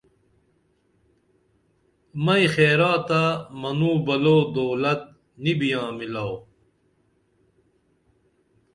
مئیں خیراتہ منوں بلو دولت نی بیاں مِلو